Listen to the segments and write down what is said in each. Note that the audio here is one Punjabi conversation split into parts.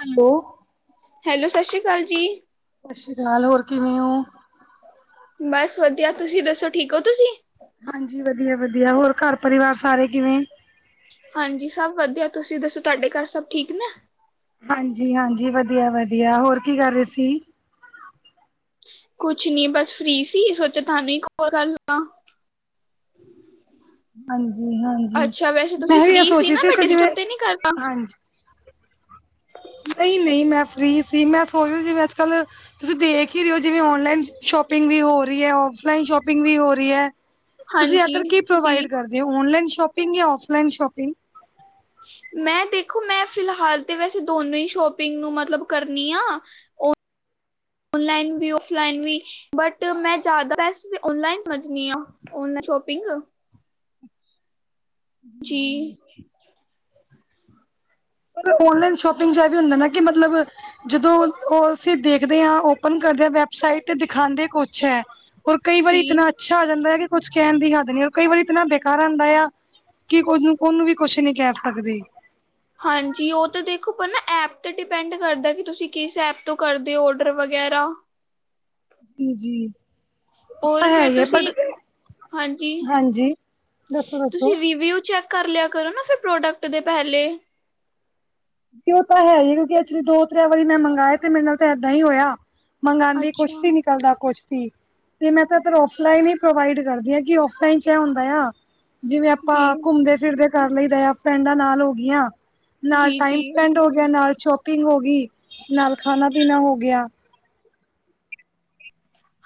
ਹੈਲੋ। ਹੈਲੋ, ਸਤਿ ਸ੍ਰੀ ਅਕਾਲ ਜੀ। ਸਤਿ ਸ਼੍ਰੀ ਅਕਾਲ ਹੋਰ ਕਿਵੇਂ ਹੋ? ਬਸ ਵਧੀਆ, ਤੁਸੀਂ ਦੱਸੋ ਠੀਕ ਹੋ ਤੁਸੀ। ਹਾਂਜੀ ਵਧੀਆ ਵਧੀਆ। ਹੋਰ ਘਰ ਪਰਿਵਾਰ ਸਾਰੇ ਕਿਵੇਂ? ਹਾਂਜੀ ਸਭ ਵਧੀਆ, ਤੁਸੀਂ ਦੱਸੋ ਤੁਹਾਡੇ ਘਰ ਸਭ ਠੀਕ ਨੇ। ਹਾਂਜੀ-ਹਾਂਜੀ, ਵਧੀਆ-ਵਧੀਆ ਹੋਰ ਕੀ ਕਰ ਰਹੇ ਸੀ ਕੁਝ ਨਹੀਂ, ਬਸ ਐਵੇਂ ਹੀ ਸੋਚਿਆ ਕਿ ਤੁਹਾਡੇ ਨਾਲ ਥੋੜ੍ਹੀ ਹੋਰ ਗੱਲ ਕਰ ਲਵਾਂ। ਹਾਂਜੀ [inaudible] ਹਾਂਜੀ ਅੱਛਾ ਵੈਸੇ ਤੁਸੀਂ ਮੈਂ ਵੀ ਫ੍ਰੀ ਇਹ ਸੋਚ ਸੀ ਰਹੀ ਨਾ? ਮੈਂ ਤੁਹਾਨੂੰ ਕਿ ਜਿਵੇਂ ਡਿਸਟਰਬ ਤਾਂ ਨਹੀਂ ਕੀਤਾ? ਨਹੀਂ-ਨਹੀਂ, ਮੈਂ ਫ੍ਰੀ ਸੀ। ਮੈ ਸੱਚ ਦੱਸਾਂ, ਜਿਵੇਂ ਅੱਜ-ਕੱਲ੍ਹ ਤੁਸੀਂ ਦੇਖ ਹੀ ਰਹੇ ਹੋ, ਔਨਲਾਈਨ ਸ਼ਾਪਿੰਗ ਦਾ ਬਹੁਤ ਜ਼ਿਆਦਾ ਰੁਝਾਨ ਹੈ। ਗ ਵੀ ਹੋ ਰਹੀ ਓਫਲਾਈਨ ਸ਼ੋਪਿੰਗ ਵੀ ਹੋ ਰਹੀ ਹੈ, ਤੁਸੀਂ ਹਾਂਜੀ ਅੱਜ-ਕੱਲ ਕੀ ਜੀ ਪ੍ਰੋਵਾਇਡ ਕਰ ਰਹੇ ਹੋ। ਔਨਲਾਈਨ ਸ਼ੋਪਿੰਗ ਜਾਂ ਔਫਲਾਈਨ ਸ਼ੋਪਿੰਗ। ਮੈਂ ਦੇਖੋ ਮੈਂ ਫਿਲਹਾਲ ਤੇ ਵੈਸੇ ਦੋਨੋ ਹੀ ਸ਼ੋਪਿੰਗ ਨੂੰ ਮਤਲਬ ਕਰਨੀ ਆ- ਔਨਲਾਈਨ ਵੀ, ਔਫਲਾਈਨ ਵੀ- ਬਟ ਮੈਂ ਜ਼ਿਆਦਾ ਬੈਸਟ ਨਲਾਈਨ ਸਮਝਣੀ ਆ ਔਲਾਈਨ ਸ਼ੋਪਿੰਗ- ਅੱਛ। ਜੀ ਪਰ ਔਨਲਾਈਨ ਸ਼ੋਪਿੰਗ ਚ ਇਹ ਵੀ ਹੁੰਦਾ ਨਾ ਕਿ ਮਤਲਬ- ਜਦੋਂ ਉਹ ਅਸੀਂ ਦੇਖਦੇ ਹਾਂ ਓਪਨ ਕਰਦੇ ਹਾਂ ਵੈਬਸਾਈਟ ਤੇ ਦਿਖਾਉਂਦੇ ਕੁਛ ਹੈ- ਔਰ ਕਈ ਵਾਰੀ ਜੀ ਇਤਨਾ ਅੱਛਾ ਆ ਜਾਂਦਾ ਆ ਕੁੱਝ ਕਹਿਣ ਦੀ ਹੱਦ ਨੀ, ਹੋਰ ਕਈ ਵਾਰੀ ਇਤਨਾ ਬੇਕਾਰ ਆੁੰਂਦਾ ਆ- ਕੀ ਕੁੂੰ ਉਹਨੂੰ ਵੀ ਕੁਛ ਨੀ ਕਹਿ ਸਕਦੀ। [inaudible] ਹਾਂਜੀ ਉਹ ਤਾਂ ਦੇਖੋ ਪਹਿ ਨਾ ਐਪ ਤੇ ਡਿਪੈਂਡ ਕਰਦਾ ਕਿ ਤੁਸੀਂ ਕਿਸ ਐਪ ਤੋਂ ਕਰਦੇ ਹੋ ਔਡਰ ਵਗੈਰਾ। ਨਾਜੀ- ਹੋਰ ਫੇਰ ਤੁਸੀਂ, ਹਾਂਜੀ, ਹਾਂਜੀ ਦੱਸੋ ਤੁਸੀਂ ਦੱਸੋ ਰਿਵਿਊ ਚੈੱਕ ਕਰ ਲਿਆ ਕਰੋ ਨਾ ਫਿਰ ਪ੍ਰੋਡਕਟ ਦੇ ਪਹਿਲੇ। ਤੇ ਉਹ ਤਾਂ ਹੈ ਹੀ ਕਿਉਂਕਿ ਐਕਚੁਲੀ ਦੋ ਤ੍ਰ ਵਾਰੀ ਮੈਂ ਮੰਗਵਾਏ ਤੇ ਮੇਰੇ ਨਾਲ ਤਾਂ ਇਏਦਾਂ ਹੀ ਹੋਇਆ ਮੰਗਵਾਉਂਦੀ ਕੁਛ ਅੱਛਾ ਵੀ ਨਿਕਲਦਾ ਕੁਛ ਮੈਂ, ਤਾਂ ਔਫਲਾਈਨ ਹੀ ਪ੍ਰੋਵਾਈਡ ਕਰਦੀ ਆਂ ਕਿ ਫਲਾਈਨ ਕ ਹੁੰਦਾ ਆ ਜਿਵੇਂ ਜੀ ਆਪਾਂ ਘੁੰਮਦੇ ਫਿਰਦੇ ਕਰ ਲਈ ਰ ਫਰੈਂਡਾਂ ਨਾਲ ਹੋ ਗਈਆਂ, ਨਾਲ ਜੀ ਟਾਈਮ ਜੀ ਸਪੈਂਡ ਹੋ ਗਿਆ ਨਾਲ ਸ਼ੋਪਿੰਗ ਹੋ ਗਈ। ਨਾਲ ਖਾਣਾ ਪੀਣਾ ਹੋ ਗਿਆ।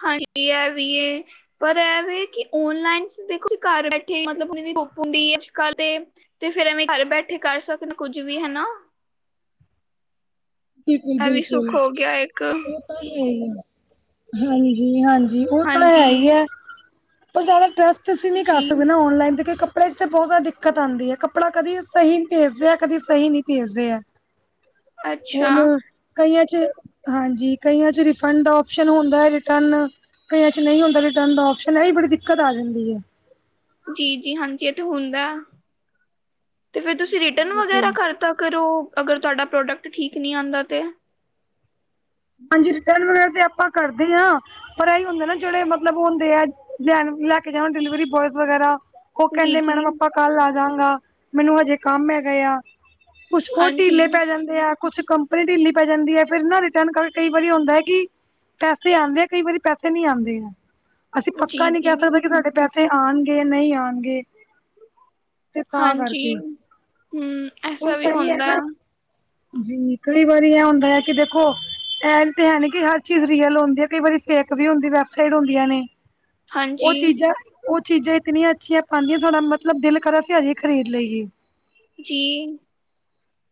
ਹਾਂਜੀ ਹੈ ਵੀ ਇਹ। ਪਰ ਇਹਵੇ ਕਿ ਓਨਲਾਈਨ ਦੇਖੋ ਘਰ ਬੈਠੇ ਮਤਲਬ ਧੁੱਪ ਹੁੰਦੀ ਅੱਜ ਤੇ ਤੇ ਫੇਰ ਐਵੇਂ ਘਰ ਬੈਠੇ ਕਰ ਸਕਦੇ ਕੁੱਝ ਵੀ ਹਨਾ ਇਹ ਵੀ ਸੁੱਖ ਹੋ ਗਿਆ ਇੱਕ ਬਿਲਕੁਲ-ਬਿਲਕੁਲ ਹਾਂਜੀ-ਹਾਂਜੀ ਉਹ ਤਾਂ ਹੈ ਹਾਂਜੀ ਹੀ ਹੈ ਪਰ ਜ਼ਿਆਦਾ ਟਰਸਟ ਅਸੀਂ ਨ ਕਰ ਜੀ ਸਕਦੇਾਂ ਔਨਲਾਈਨ ਤੇ ਕੱਪੜੇ ਤੇ ਬਹੁਤ ਜ਼ਿਆਦਾ ਦਿੱਕਤ ਆਉਂਦੀ ਹੈ ਕੱਪੜਾ ਕਦੀ ਸਹੀ ਭੇਜਦੇ ਹੈ, ਕਦੀ ਸਹੀ ਨੀ ਭੇਜਦੇ ਹੈ। [inaudible] ਹੁਣ ਕਈਆਂ ਚ ਹਾਂਜੀ ਕਈਆਂ ਚ ਰਿਫੰਡ ਓਪਸ਼ਨ ਹੁੰਦਾ ਹੈ ਰਿਟਰਨ। ਕਈਆਂ ਚ ਨਹੀਂ ਹੁੰਦਾ ਰਿਟਰਨ ਦਾ ਆਪਸ਼ਨ ਹੈ ਬੜੀ ਦਿੱਕਤ ਆ ਜਾਂਦੀ ਹੈ। ਜੀ ਜੀ ਹਾਂਜੀ ਇੱਥੇ ਹੁੰਦਾ ਤੇ ਫੇਿਰ ਤੁਸੀਂ ਰਿਟਰਨ ਵਗੈਰਾ ਕਰ ਤ ਕਰੋ ਅਗਰ ਤੁਹਾਡਾ ਪ੍ਰੋਡਕਟ ਠੀਕ ਨਹੀਂ ਆਉਂਦਾ ਤਾਂ ਹਾਂਜੀ ਰਿਟਰਨ ਵਗੈ ਤੇ ਆਪਾਂ ਕਰਦੇ ਹਾਂ ਪਰ ਇਹੀ ਹੁੰਦੇ ਨਾ ਜਿਹੜੇ ਮਤਲਬ ਉਹ ਹੁੰਦੇ ਆ ਲੈ-ਲੈ ਕੇ ਜਾਣਾ ਡਿਲੀਵਰੀ ਬੋਇਜ਼ ਵਗੈਰਾ ਉਹ ਜੀ ਕਹਿੰਦੇ ਜੀ ਮੈਡਮ ਆਪਾਂ ਕੱਲ ਆ ਜਾਗਾ ਮੈਨੂੰ ਹਜੇ ਕੰਮ ਹੈਗਾ ਆ ਕੁਛ ਉਹ ਹਾਂਜੀ ਢਿੱਲੇ ਪੈ ਜਾਂਦੇ ਆ, ਕੁਛ ਕੰਪਨੀ ਢਿੱਲੀ ਪੈ ਜਾਂਦੀ ਹੈ ਫਿਰ ਨਾ ਕਈ ਵਾਰੀ ਹੁੰਦਾ ਹੈ ਕਿ, ਪੈਸੇ ਆਉਂਦੇ ਕਈ ਵਾਰੀ ਪੈਸੇ ਨਜਹੀਂ ਆਉਂਦੇ ਅਸੀਂ ਪੱਕਾ ਜੀ ਨਹੀਂ ਕਹਿ ਜੀ ਸਕਦੇ ਕਿ ਸਾਡੇ ਪੈਸੇ ਆਉਣਗੇ ਜਾਂ ਨਹੀਂ ਆਉਣਗੇ। ਤਾਂ ਹਾਂਜੀ ਕਰਕੇ, ਹਮ ਹੁਣ ਐਸਾ ਵੀ ਸਹੀ ਹੈ ਹੁੰਦਾ ਨਾ। ਜੀ ਕਈ ਵਾਰੀ ਇਹ ਹੁੰਦਾ ਹੈ ਕਿ ਦੇਖੋ। ਐ ਤੇ ਹੈ ਕਿ ਹਰ ਚੀਜ਼ ਰੀਅਲ ਹੁੰਦੀ ਹੈ ਕਈ ਵਾਰੀ ਫੇਕ ਵੀ ਹੁੰਦੀ ਵੈਬਸਾਈਟ ਹੁੰਦੀਆਂ ਨੇ। ਹਾਂਜੀ ਉਹ ਚੀਜ਼ਾਂ ਉਹ ਚੀਜ਼ਾਂ ਇਤਨੀਆਂ ਅੱਛੀਆਂ ਪਾਉਂਦੀਆਂ ਤੁਡਾ ਮਤਲਬ ਦਿਲ ਕਰਾ ਸੀ ਹਜੇ ਖਰੀਦ ਲਈਏ। ਜੀ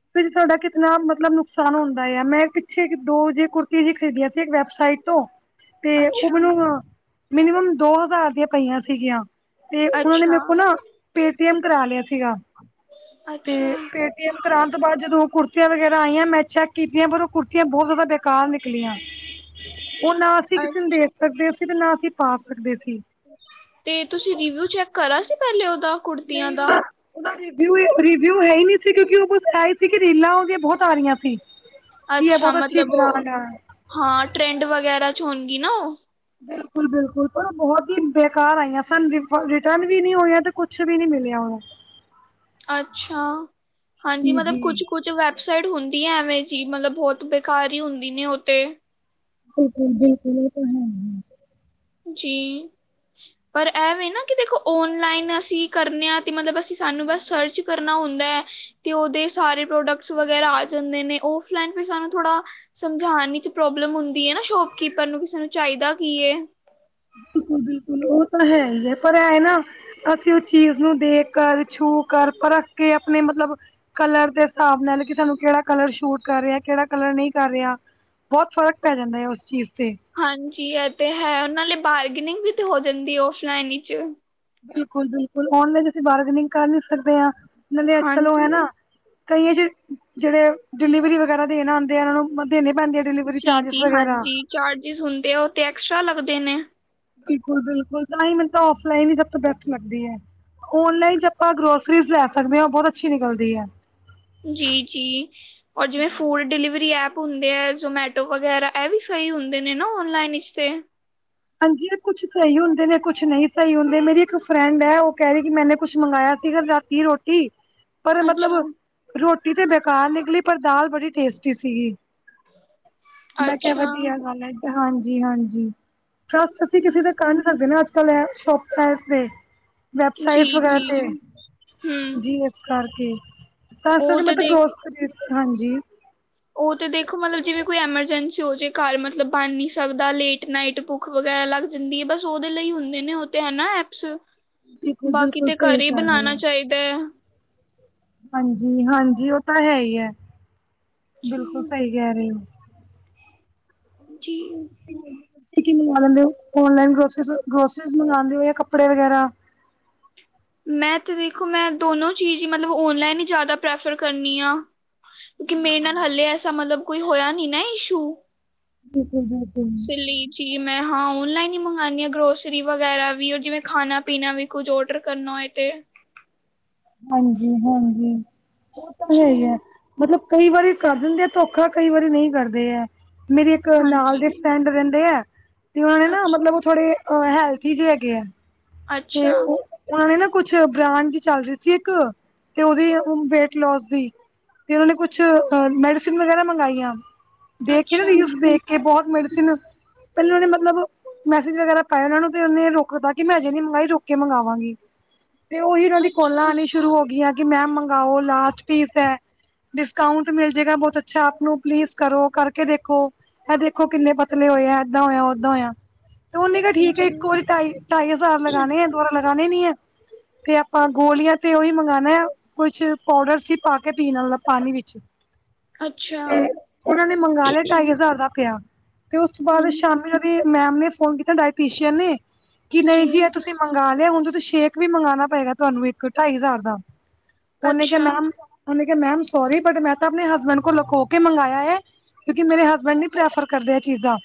ਫ ਤੁਹਾਡਾ ਕਿਤਨਾ ਮਤਲਬ ਨੁਕਸਾਨ ਹੁੰਦਾ ਆ ਮੈਂ ਪਿਛੇ ਦੋ ਜੇ ਕੁੁਰਤੀਆਂ ਜ ਖਰੀਦੀਆਂ ਸੀ ਇੱਕ ਵੈਬਸਾਈਟ ਤੋਂ ਤੇ ਉਹ ਅੱਛਾ ਮੈਨੂੰ ਮਿਨੀਮਮ ਦੋ ਹਜ਼ਾਰ ਦੀਆਂ ਪਈਆਂ ਸੀਗੀਆਂ ਤੇ ਉਹਨਾਂ ਨੇ ਮੇਰੇ ਅੱਛਾ ਕੋਲ ਨਾ ਪੇਟੀਐਮ ਕਰਾ ਲਿਆ ਸੀਗਾ ਤੇ ਅੱਛਾ ਪੇਟੀਐਮ ਤਾਂਤ ਬਾਅਦ ਜਦੋਂ ਕੁੜਤੀਆਂ ਵਗੈਰਾ ਆਈਆਂ ਮੈਂ ਚੈੱਕ ਕੀਤੀਆਂ ਪਰ ਉਹ ਕੁਤੀ ਬਹੁਤ ਜ਼ਿਆਦਾ ਬੇਕਾਰ ਨਿਕਲੀਆਂ ਉਹਨਾਂ। ਅੱਛਾ ਸਕਦੇ ਸੀ ਤੇ ਨਾ ਅਸੀਂ ਪਾ ਸਕਦੇ ਸੀ। ਤੇ ਤੁਸੀਂ ਰਿਵਿਊ ਚੈੱਕ ਕਰਾ ਸੀ ਪਹਿਲੇ ਉਹਦਾ। ਕੁੜਤੀਆਂ ਨਹੀਂ ਦਾ ਉਹਵਊ ਰਿਵਿਊ ਹੈ ਹੀ ਨਹੀਂ ਸੀ ਕਿਉਂਕਿ ਉਹ ਬਛ ਆਈ ਸੀ ਕਿ ਰੀਲਾਂ ਹੋ ਗਆਂ ਬਹੁਤ ਆ ਰਹੀਆਂ ਸੀ। ਕੀ ਹੈ ਅੱਛਾ ਬਹੁਤ ਅੱਛੀ ਮਤਲਬ ਉਹ ਬ੍ਰਾਂਡ ਹੈ। ਹਾਂ ਟਰੈਂਡ ਵਗੈਰਾ ਚਚ ਹੋਣਗੀ ਨਾ ਉਹ। ਬਿਲਕੁਲ ਬਿਲਕੁਲ ਪਰ ਬਹੁਤ ਹੀ ਬੇਕਾਰ ਆਈਆਂ ਸਾਨੂੰ ਰਿਟਰਨ ਵੀ ਨਹੀਂ ਹੋਇਆ ਤੇ ਕੁਛ ਵੀ ਨਹੀਂ ਮਿਲਿਆ ਉਹੁ। ਅੱਛਾ ਹਾਂਜੀ ਜੀ ਮਤਲਬ ਜੀ ਕੁੱਛ ਕੁਛ ਵ ਸਾਈਡ ਹੁੰਦੀ ਹੈ ਐਵੇਂ ਜੀ ਮਤਲਬ ਬਹੁਤ ਬੇਕਾਰ ਹੀ ਹੁੰਦੀ ਨੇ ਉਹੇ ਬਿਲਕੁਲ-ਬਿਲਕੁਲ, ਇਹ ਤਾਂ ਹੈ ਹੀ। ਜੀ ਪਰ ਇਹ ਵੇ ਨਾ ਕਿ ਦੇਖੋ ਔਨਲਾਈਨ ਅਸੀਂ ਕਰਨੇ ਹਾਂ, ਤੇ ਮਤਲਬ ਅਸੀਂ ਸਾਨੂੰ ਬਸ ਸਰਚ ਕਰਨਾ ਹੁੰਦਾ, ਤੇ ਉਹਦੇ ਸਾਰੇ ਪ੍ਰੋਡਕਟਸ ਵਗੈਰਾ ਆ ਜਾਂਦੇ ਨੇ, ਓਫਲੈਨ ਫੇਰ ਸਾਨੂੰ ਥੋੜਾ ਸਮਝਾਣ ਵਿਚ ਪ੍ਰੋਬਲਮ ਹੁੰਦੀ ਐ ਨਾ ਸ਼ੋਪਕੀਪਰ ਨੂੰ, ਕਿ ਸਾਨੂੰ ਚਾਹੀਦਾ ਕੀ ਏ। ਬਿਲਕੁਲ-ਬਿਲਕੁਲ ਉਹ ਤਾਂ ਹੈ ਹੀ ਐ, ਪਰ ਐਹ ਨਾ ਅਸੀਂ ਉਸ ਚੀਜ਼ ਨੂੰ ਦੇਖ ਕਰ, ਛੂ ਕਰ ਪਰਖ ਕੇ ਆਪਣੇ ਮਤਲਬ ਕਲਰ ਦੇ ਹਿਸਾਬ ਨਾਲ ਕਿ ਤੁਹਾਨੂੰ ਕਿਹੜਾ ਕਲਰ ਸ਼ੂਟ ਕਰ ਰਿਹਾ, ਕਿਹੜਾ ਕਲਰ ਨਈ ਕਰ ਰਿਹਾ। ਬਹੁਤ ਫ਼ਰਕ ਪੈ ਜਾਂਦਾ ਐ, ਉਸ ਚੀਜ਼ ਤੇ। ਹਾਂਜੀ ਇਹ ਤੇ ਹੈ, ਉਹਨਾਂ ਲਈ ਬਾਰਗੀਨਿੰਗ ਵੀ ਤੇ ਹੋ ਜਾਂਦੀ ਐ ਔਫਲਾਈਨ ਵਿੱਚ। ਬਿਲਕੁਲ-ਬਿਲਕੁਲ ਔਨਲਾਈਨ ਅਸੀਂ ਬਾਰਗਨਿੰਗ ਕਰ ਨੀ ਸਕਦੇ ਆਂ ਨਾਂ, ਤੇ ਅੱਜ-ਕੱਲ ਉਹ ਐ ਨਾ ਹਾਂਜੀ ਕਈ ਆਹ ਜਿਹੜੇ ਡਿਲੀਵਰੀ ਵਗੈਰਾ ਦੇਣ ਆਂਦੇ ਆ, ਉਹਨਾਂ ਨੂੰ ਦੇਣੇ ਪੈਂਦੇ ਆ। ਡਿਲੀਵਰੀ ਚਾਰਜਿਸ ਵਗੈਰਾ। ਚਾਰਜਿਸ ਹੁੰਦੇ ਆ, ਉਹ ਤੇ ਐਕਸਟਰਾ ਲੱਗਦੇ ਨੇ। ਬਿਲਕੁਲ-ਬਿਲਕੁਲ, ਤਾਂਹੀ ਮੈਨੂੰ ਤਾਂ ਔਫਲਾਈਨ ਹੀ ਸਭ ਤੋਂ ਬੈਸਟ ਲੱਗਦੀ ਐ। ਓਨਲਾਈਨ ਚ ਆਪਾਂ ਗਰੋਸਰੀਜ਼ ਲੈ ਸਕਦੇ ਹਾਂ, ਉਹ ਬਹੁਤ ਅੱਛੀ ਨਿਕਲਦੀ ਐ। ਜੀ-ਜੀ। ਔਰ ਜਿਵੇਂ ਫੂਡ ਡਿਲੀਵਰੀ ਐਪ ਹੁੰਦੇ ਹੈ ਜ਼ੋਮੈਟੋ ਵਗੈਰਾ, ਇਹ ਵੀ ਸਹੀ ਹੁੰਦੇ ਨੇ ਨਾ ਔਨਲਾਈਨ ਇਸ ਤੇ। ਹਾਂਜੀ ਕੁਛ ਸਹੀ ਹੁੰਦੇ ਨੇ, ਕੁਛ ਨਹੀਂ ਸਹੀ ਹੁੰਦੇ, ਮੇਰੀ ਇੱਕ ਫਰੈਂਡ ਹੈ ਉਹ ਕਹਿ ਰਹੀ ਕਿ ਮੈਨੇ ਕੁਛ ਮੰਗਵਾਇਆ ਸੀਗਾ ਕੱਲ ਰਾ ਕੀ ਰੋਟੀ। [unintelligible] ਪਰ ਮਤਲਬ ਰੋਟੀ ਤੇ ਬੇਕਾਰ ਨਿਕਲੀ, ਪਰ ਦਾਲ ਬੜੀ ਟੇਸਟੀ ਸੀਗੀ। ਮੈਂ ਕਿਹਾ ਵਧੀਆ ਗੱਲ ਐ, ਹਾਂਜੀ-ਹਾਂਜੀ। ਟਰੱਸਟ ਅਸੀਂ ਕਿਸੇ ਦਾ ਕਰ ਨੀ ਸਕਦੇ ਨਾ, ਅੱਜ-ਕੱਲ ਇਹ ਸੌਪ ਐਹ ਤੇ ਵੈਬਸਾਈਟਸ ਵਗੈਰਾ ਤੇ ਜੀ ਏਸ ਕਰਕੇ, ਪਰਸੋਂ ਉਹ ਦੀ ਤੇ ਮਤਲਬ ਦੇਖ ਗਰੌਸਰੀ, ਹਾਂਜੀ। ਉਹ ਤੇ ਦੇਖੋ ਮਤਲਬ ਜਿਵੇਂ ਕੋਈ ਐਮਰਜੈਂਸੀ ਹੋ ਜੇ ਘਰ ਮਤਲਬ ਬਣ ਨੀ ਸਕਦਾ, ਲੇਟ ਨਾਈਟ ਭੁੱਖ ਭੁੱਖ ਵਗੈਰਾ ਲੱਗ ਜਾਂਦੀ ਏ, ਬਸ ਉਹਦੇ ਲਈ ਹੁੰਦੇ ਨੇ ਉਹ ਤੇ ਹਨਾ ਐਪਸ। ਬਿਲਕੁਲ ਬਾਕੀ ਬਿਲਕੁਲ ਤੇ ਘਰ ਸਹੀ ਹੀ ਕਹਿ ਬਣਾਣਾ ਚਾਹੀਦਾ। ਹਾਂਜੀ-ਹਾਂਜੀ, ਉਹ ਤਾਂ ਹੈ ਹੀ ਐ, ਬਿਲਕੁਲ ਜੀ ਸਹੀ ਕਹਿ ਰਹੇ ਹੋ। ਜੀ। ਤੁਸੀਂ ਕੀ ਮੰਗਾ ਲੈਂਦੇ ਹੋ, ਔਨਲਾਈਨ ਗਰੌਸਰੀ ਗਰੌਸਰੀਜ਼ ਮੰਗਵਾਂਦੇ ਹੋ ਜਾਂ ਕੱਪੜੇ ਵਗੈਰਾ। ਮੈਂ ਤੇ ਦੇਖੋ, ਮੈਂ ਦੋਨੋਂ ਚੀਜ਼ ਹੀ ਮਤਲਬ ਓਨਲਾਈਨ ਹੀ ਜ਼ਿਆਦਾ ਪ੍ਰੈਫਰ ਕਰਨੀ ਆ। ਕਿਉਂਕਿ ਮੇਰੇ ਨਾਲ ਹਲੇ ਐਸਾ ਮਤਲਬ ਕੋਈ ਹੋਇਆ ਨੀ ਨਾ ਇਸ਼ੂ। ਬਿਲਕੁਲ [inaudible] ਸਲੀਚੀ ਮੈਂ ਹਾਂ ਓਨਲਾਈਨ ਹੀ ਮੰਗਾਣੀ ਆਂ, ਗਰੋਸਰੀ ਵਗੈਰਾ ਵੀ ਓਹ ਜਿਵੇਂ ਖਾਣਾ-ਪੀਣਾ ਵੀ। ਕੁੱਝ ਓਡਰ ਕਰਨਾ ਹੋਏ ਤੇ। ਹਾਂਜੀ-ਹਾਂਜੀ, ਉਹ ਤਾਂ ਜੀ, ਹੈਗਾ। ਮਤਲਬ ਕਈ ਵਾਰੀ ਕਰ ਦਿੰਦੇ ਆ ਧੋਖਾ, ਕਈ ਵਾਰੀ ਨਹੀ ਕਰਦੇ ਐ। ਮੇਰੀ ਇੱਕ ਨਾਲ ਹਾਂਜੀ, ਦੇ ਫਰੈਂਡ ਰਹਿੰਦੇ ਆ, ਤੇ ਉਹਨਾਂ ਨੇ ਨਾ ਅੱਛਾ, ਮਤਲਬ ਉਹ ਥੋੜੇ ਉਹ ਹੈਲਥੀ ਜੇ ਹੈਗੇ ਆ, ਤੇ ਅੱਛਾ, ਓਹ ਉਹਨਾਂ ਨੇ ਨਾ ਕੁਛ ਬ੍ਰਾਂਡ ਦੀ ਚੱਲ ਰੀ ਸੀ ਇੱਕ, ਤੇ ਉਹਦੀ ਵੇਟ ਲੌਸ ਦੀ। ਤੇ ਉਹਨਾਂ ਨੇ ਕੁਛ ਮੈਡੀਸਿਨ ਵਗੈਰਾ ਮੰਗਾਈਆਂ ਦੇਖ ਕੇ ਨਾ, ਅੱਛਾ, ਰੀਲਜ਼ ਦੇਖ ਕੇ ਬਹੁਤ ਮੈਡੀਸਨ, ਪਹਿਲਾਂ ਉਹਨੇ ਮਤਲਬ ਮੈਸੇਜ ਵਗੈਰਾ ਪਾਇਆ, ਉਹਨਾਂ ਨੂੰ ਤੇ ਉਹਨੇ ਰੋਕ ਦਿੱਤਾ, ਕਿ ਮੈਂ ਹਜੇ ਨੀ ਮੰਗਾਈ ਰੁਕ ਕੇ ਮੰਗਵਾਵਾਂਗੀ, ਤੇ ਓਹੀ ਉਹਨਾਂ ਦੀ ਕੋਲਾਂ ਅੱਛਾ, ਆਣੀਆਂ ਸ਼ੁ ਸ਼ੁਰੂ ਹੋਗੀਆਂ, ਕਿ ਮੈਮ ਮੰਗਵਾਓ ਲਾਸਟ ਪੀਸ ਐ। ਡਿਸਕਾਊਂਟ ਮਿਲ ਜੇਗਾ ਬਹੁਤ ਅੱਛਾ ਆਪ ਨੂੰ, ਪਲੀਜ਼ ਕਰੋ ਕਰਕੇ ਦੇਖੋ। ਇਹ ਦੇਖੋ ਕਿੰਨੇ ਪਤਲੇ ਹੋਏ ਆ, ਏਦਾਂ ਹੋਇਆ ਓਦਾਂ ਹੋਇਆ। ਤਾਂ ਉਹਨੇ ਕਿਹਾ ਠੀਕ ਐ, ਜੀ, ਇੱਕ ਵਾਰੀ ਢਾਈ ਹਜ਼ਾਰ ਲਗਾਣੇ ਐ, ਦੁਬਾਰਾ ਲਗਾਣੇ ਨੀ ਐ। ਤੇ ਆਪਾਂ ਗੋਲੀਆਂ ਤੇ ਉਹੀ ਮੰਗਾਣਾ। ਕੁਛ ਪਾਊਡਰ ਸੀ ਪਾ ਕੇ ਪੀਣ ਆਲਾ ਪਾਨੀ ਵਿੱਚ। ਅੱਛਾ, ਤੇ ਉਹਨਾਂ ਨੇ ਮੰਗਾ ਲਿਆ ਢਾਈ ਹੂੰ, ਹਜ਼ਾਰ ਦਾ ਪਿਆ ਤੇ ਉਸ ਤੋਂ ਬਾਅਦ ਸ਼ਾਮੀ ਉਹਦੀ। ਮੈਮ ਨੇ ਫੋਨ ਕੀਤਾ ਡਾਇਟੀਸ਼ੀਅਨ ਨੇ ਕਿ ਨਹੀਂ। ਜੀ, ਜੀ ਇਹ ਤੁਸੀਂ ਮੰਗਾ ਲਿਆ ਹੁਨ ਤੁਸੀਂ ਸ਼ੇਕ ਵੀ ਮੰਗਾਨਾ ਪਏਗਾ ਤੁਹਾਨੂੰ ਇੱਕ ਢਾਈ ਹਜ਼ਾਰ ਦਾ। ਉਹਨੇ ਕਿਹਾ ਅੱਛਾ, ਮੈਮ ਉਹਨੇ ਕਿਹਾ ਮੈਮ ਸੋਰੀ ਬਟ ਮੈਂ ਤਾਂ ਅਪਨੇ ਹਸਬੈਂਡ ਕੋ ਲਕੋ ਕੇ ਮੰਗਾਇਆ ਹੈ। ਕਿਉਂਕਿ ਮੇਰੇ ਹਸਬੈਂਡ ਨੀ ਪ੍ਰੈਫਰ ਕਰਦੇ ਇਹ ਚੀਜ਼ਾਂ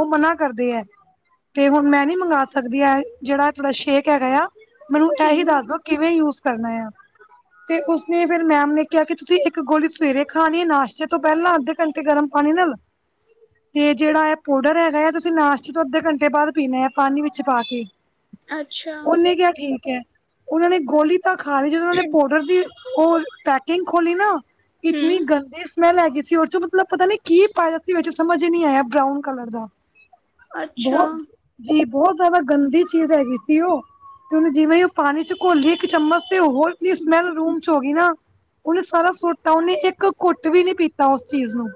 ਉਹ ਮਨਾ ਕਰਦੇ ਹੈ। ਤੇ ਹੁਣ ਮੈਂ ਨੀ ਮੰਗਾ ਸਕਦੀ ਇਹ ਜਿਹੜਾ ਤੁਹਾੜਾ ਸ਼ੇਕ ਹੈਗਾ ਆ ਮੈਨੂੰ ਜੀ, ਇਹੀ ਦੱਸ ਦੋ। ਕਿਵੇਂ ਯੂਜ ਕਰਨਾ ਹੈ। ਤੇ ਉਸਨੇ ਫੇਰ ਮੈਮ ਨੇ ਕਿਹਾ ਕਿ ਤੁਸੀਂ ਇੱਕ ਗੋਲੀ ਸਵੇਰੇ ਖਾਨੀ ਏ ਨਾਸ਼ਤੇ ਤੋਂ ਪਹਿਲਾਂ। ਘੰਟੇ ਗਰਮ ਪਾਣੀ ਨਾਲ। ਤੇ ਜਿਹੜਾ ਇਹ ਪਾਊਡਰ ਹੈਗਾ ਇਹ ਤੁਸੀਂ ਨਾਸ਼ਤੇ ਤੋਂ ਅੱਧੇ ਘੰਟੇ ਬਾਅਦ ਪੀਨਾ ਏ ਪਾਨੀ ਵਿੱਚ ਪਾ ਕੇ। ਅੱਛਾ। ਉਹਨੇ ਕਿਹਾ ਠੀਕ ਹੈ ਉਹਨਾਂ ਨੇ ਗੋਲੀ ਤਾਂ ਖਾ ਲਈ ਜਦੋਂ ਹੂੰ, ਅੱਛਾ, ਉਹਨਾਂ ਨੇ ਪੋਡਰ ਦੀ। ਉਹ ਪੈਕਿੰਗ ਖੋਲੀ ਨਾ ਇਤਨੀ ਗੰਦੀ ਸ। ਸਮੈਲ ਹੈਗੀ ਸੀ ਉਹ ਚੋਂ ਮਤਲਬ ਪਤਾ ਨੀ ਕੀ ਪਾਇਆ ਸੀ ਵਿੱਚ ਸਮਝ ਨਹੀਂ ਆਇਆ ਬਰਾਊਨ ਕਲਰ ਦਾ। ਬਹੁਤ ਜੀ ਬਹੁਤ ਜ਼ਿਆਦਾ ਗੰਦੀ। ਚੀਜ਼ ਹੈਗੀ ਸੀ ਉਹ ਤੇ ਉਹਨੂੰ ਜਿਵੇਂ ਉਹ ਪਾਨੀ ਚ ਘੋਲੀ ਇੱਕ ਚਮਚ ਤੇ ਹੋਰ ਇਤਨੀ ਸਮੈਲ ਰੂਮ ਚ ਹੋ ਗਈ ਨਾ। ਉਹਨੇ ਸਾਰਾ ਸੁਟ ਤਾ ਉਹਨੇ ਇੱਕ ਘੁੱਟ ਵੀ ਨੀ ਪੀਤਾ ਉਸ ਚੀਜ਼ ਨੂੰ।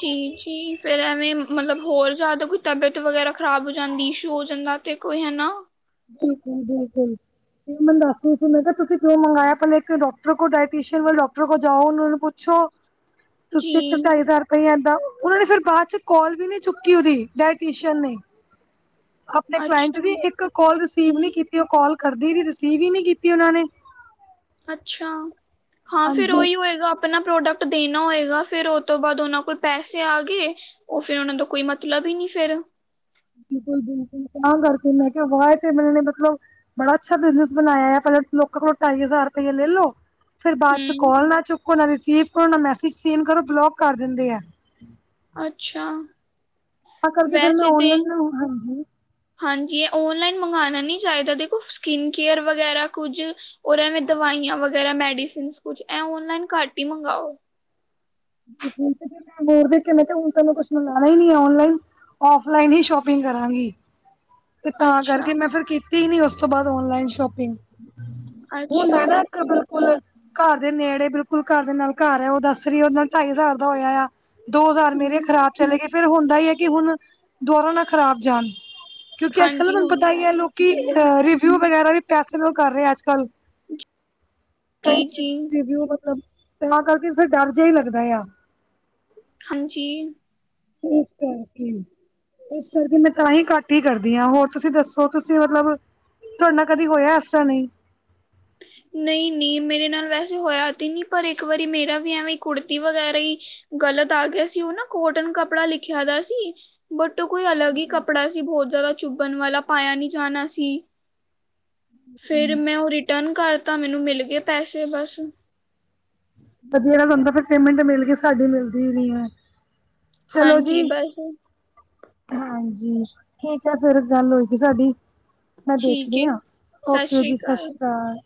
ਜੀ ਜੀ ਫੇਰ ਐਵੇਂ ਮਤਲਬ ਹੋਰ ਜ਼ਿਆਦਾ ਕੋਈ ਤਬੀਅਤ ਵਗੈਰਾ ਖ਼ਰਾਬ ਹੋ ਜਾਂਦੀ ਇਸ਼ੂ ਹੋ ਜਾਂਦਾ। ਤੇ ਕੋਈ ਹੈਨਾ। ਬਿਲਕੁਲ ਬਿਲਕੁਲ। ਮੈਂ ਦੱਸ ਰਹੀ ਸੀ ਮੈ ਕਿਹਾ ਤੁਸੀਂ ਕਿਉਂ ਮੰਗਇਆ ਪਹਿਲੇ ਇੱਕ ਡਾਕਟਰ ਕੋ ਡਾਇਟੀਸ਼ਨ ਵਾਲੇ ਡਾਕਟਰ ਕੋ ਜਾਓ ਉਹ ਨੂੰ ਪੁੱਛੋ। ਜੀ, ਤੁਸੀਂ ਇੱਕ ਢਾਈ ਹਜ਼ਾਰ। ਕਈ ਏਦਾਂ ਉਹਨਾਂ ਨੇ ਫੇਰ ਬਾਅਦ ਚ ਕਾਲ ਵੀ ਨਹੀਂ ਚੁੱਕੀ ਉਹਦੀ ਡਾਇਟੀ ਨੇ। ਆਪਣੇ ਕਲਾਇੰਟ ਅੱਛਾ, ਦੀ ਇੱਕ ਕਾਲ ਰਿਸੀਵ ਨੀ ਹੂੰ, ਕੀਤੀ ਉਹ ਕਾਲ ਕਰਦੀ ਰਹੀ ਰਿਸੀਵ ਹੀ ਨੀ ਕੀਤੀ ਉਹਨਾਂ ਨੇ। ਅੱਛਾ ਹਾਂ ਫੇਰ ਹਾਂਜੀ ਉਹੀ ਹੋਏਗਾ। ਅਪਨਾ ਪ੍ਰੋਡਕਟ ਦੇਨਾ ਹੋਏਗਾ ਫੇਰ ਉਹ ਤੋਂ ਬਾਅਦ ਉਹਨਾਂ ਕੋਲ ਪੈਸੇ ਆ ਗਏ। ਉਹ ਫੇਰ ਉਹਨਾ ਤੋ ਕੋਈ ਮਤਲਬ ਹੀ ਨਹੀਂ ਫੇਰ। ਬਿਲਕੁਲ ਬਿਲਕੁਲ ਤਾਂ ਕਰਕੇ ਮੈਂ ਕਿਹਾ ਵਾਹ ਇਹ ਤੇ ਮੇਰੇ ਨੇ ਮਤਲਬ। ਬੜਾ ਅੱਛਾ ਬਿਜਨਸ ਬਨਾਇਆ ਪਹਿਲੇ ਲੋਕਾਂ ਕੋਲੋਂ ਢਾਈ ਹਜ਼ਾਰ ਰੁਪਇਆ ਲੈ ਲੋ। ਫੇਰ ਬਾਅਦ ਚ ਕਾਲ ਨਾ ਚੁੱਕੋ ਨਾ ਰਿਸੀਵ ਕਰੋ ਨਾ ਮੈਸੇਜ ਸੀਨ ਕਰੋ ਬਲੋਕ ਕਰ ਦਿੰਦੇ ਆ। ਅੱਛਾ। ਤਾਂ ਕਰਕੇ ਫੇਰ ਮੈਂ ਔਨਲਾਈਨ ਹਾਂਜੀ। ਹਾਂਜੀ ਇਹ ਔਨਲਾਈਨ ਮੰਗਾਨਾ ਨਹੀਂ ਚਾਹੀਦਾ ਦੇਖੋ ਸਕਿੰਨ ਕੇਅਰ ਵਗੈਰਾ ਕੁਝ। ਔਰ ਏਵੇਂ ਦਵਾਈਆਂ ਵਗੈਰਾ ਮੈਡੀਸਿਨਸ ਕੁਛ ਇਹ ਓਨਲਾਈਨ ਘੱਟ ਹੀ ਮੰਗਾਓ। ਮੈਂ ਫੋਨ ਤੇ ਦੇਖ ਦੇਖ ਕੇ ਮੈਂ ਤਾਂ ਹੁਨ ਕੁਛ ਮੰਗਾਣਾ ਹੀ ਨੀ ਏ ਔਨਲਾਈਨ। ਔਫਲਾਈਨ ਹੀ ਸ਼ੋਪਿੰਗ ਕਰਾਂਗੀ। ਤੇ ਤਾਂ ਕਰਕੇ ਮੈਂ ਫੇਰ ਕੀਤੀ ਹੀ ਨੀ ਉਸ ਤੋਂ ਬਾਅਦ ਓਨਲਾਈਨ ਸ਼ੋਪਿੰਗ ਹੁਨ ਮੈਂ ਨਾ ਬਿਲਕੁਲ ਘਰ ਦੇ ਨੇੜੇ ਬਿਲਕੁਲ ਘਰ ਦੇ ਨਾਲ ਘਰ ਹੈ ਉਹਦਾ ਦੱਸ ਰਹੀ ਉਹਦੇ ਨਾਲ ਢਾਈ ਹਜ਼ਾਰ ਦਾ ਹੋਇਆ ਆ। ਦੋ ਹਜ਼ਾਰ ਮੇਰੇ ਖ਼ਰਾਬ ਚਲੇ ਗਏ ਫੇਰ ਹੁੰਦਾ ਹੀ ਹੈ ਕਿ ਹੁਨ ਦੋਨੋ ਨਾ ਖ਼ਰਾਬ ਜਾਨ। ਕਿਉਂਕਿ ਅੱਜ ਕੱਲ ਨਾ ਤੁਹਾਨੂੰ ਪਤਾ ਹੀ ਹੈ ਲੋਕ ਰਿਵਿਊ ਵਗੈਰਾ ਵੀ ਪੈਸੇ ਨਾਲ ਕਰ ਰਹੇ ਅੱਜ ਕੱਲ। ਕਈ ਚੀ ਰਿਵਿਊ ਮਤਲਬ ਤਾਂ ਕਰਕੇ ਫੇਰ ਡਰ ਜਿਹਾ ਹੀ ਲੱਗਦਾ ਆ। ਹਾਂਜੀ। ਇਸ ਕਰਕੇ ਇਸ ਕਰਕੇ ਮੈਂ ਤਾਂਹੀ ਘੱਟ ਹੀ ਕਰਦੀ ਹਾਂ ਹੋਰ ਤੁਸੀਂ ਦੱਸੋ ਤੁਸੀਂ ਮਤਲਬ ਤੁਹਾਡੇ ਨਾਲ ਕਦੀ ਹੋਇਆ ਏਸਰਾ ਨਹੀਂ। ਨਹੀਂ ਨਹੀਂ ਮੇਰੇ ਨਾਲ ਵੈਸੇ ਹੋਇਆ ਤੇ ਨਹੀਂ ਪਰ ਇੱਕ ਵਾਰੀ ਮੇਰਾ ਵੀ ਐਵੇਂ ਕੁੜਤੀ ਵਗੈਰਾ ਹੀ ਗ਼ਲਤ ਆ ਗਿਆ ਸੀ ਉਹ ਨਾ ਕੋਟਨ ਕੱਪੜਾ ਲਿਖਿਆ ਦਾ ਸੀ। ਬੱਟ ਕੋਈ ਅਲੱਗ ਹੀ ਕੱਪੜਾ ਸੀ। ਬਹੁਤ ਜ਼ਿਆਦਾ ਚੁੱਭਣ ਵਾਲਾ ਪਾਇਆ ਨਹੀਂ ਜਾਣਾ ਸੀ। ਫੇਰ, ਮੈਂ ਉਹ ਰਿਟਰਨ ਕਰਤਾ ਮੈਨੂੰ ਮਿਲ ਗਏ ਪੈਸੇ ਬਸ। ਵਧੀਆ ਬੰਦਾ ਤਾਂ ਹੁੰਦਾ ਫਿਰ ਪੇਮੈਂਟ ਮਿਲ ਕੇ ਸਾਡੀ ਮਿਲਦੀ ਨੀ ਐ। ਚਲੋ ਜੀ। ਹਾਂਜੀ ਬਸ ਹਾਂਜੀ, ਠੀਕ ਹੈ ਫੇਰ ਗੱਲ ਹੋਏਗੀ ਸਾਡੀ। ਮੈਂ ਦੇਖ ਠੀਕ ਹੈ ਲਿਆ ਹਾਂ, ਓਕੇ ਜੀ ਸਤਿ ਸ਼੍ਰੀ ਅਕਾਲ।